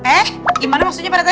eh gimana maksudnya pak ranti